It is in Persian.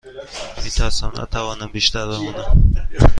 می ترسم نتوانم بیشتر بمانم.